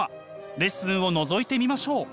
レッスンをのぞいてみましょう。